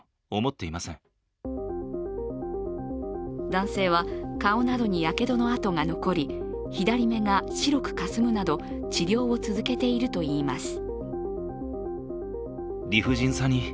男性は顔などにやけどの痕が残り左目が白くかすむなど、治療を続けているといいます。